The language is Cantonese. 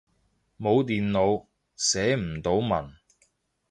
冇電腦，寫唔到文